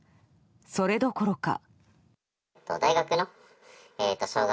それどころか。